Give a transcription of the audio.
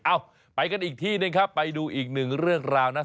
เอาไปกันอีกที่หนึ่งครับไปดูอีกหนึ่งเรื่องราวนะ